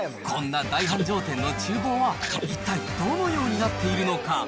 こんな大繁盛店のちゅう房は、一体どのようになっているのか。